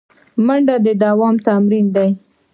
منډه د دوام تمرین دی